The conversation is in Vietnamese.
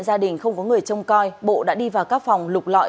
gia đình không có người trông coi bộ đã đi vào các phòng lục lọi